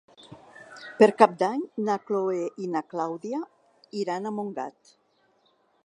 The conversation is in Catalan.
Per Cap d'Any na Chloé i na Clàudia iran a Montgat.